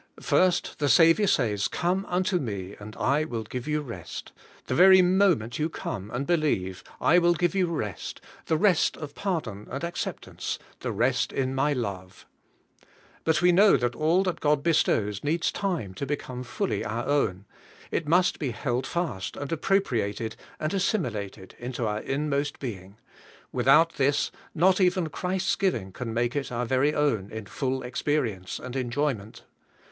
First the Saviour says, 'Come unto me, and I will give you rest;' the very moment you come, and believe, I will give you rest, — the rest of pardon and acceptance, — the rest in my love. But we know that all that God bestows needs time to become fully our own ; it must be held fast, and appropriated, and assimilated into our inmost being; without this not even Christ's giv ing can make it our very own, in full experience and enjoyment.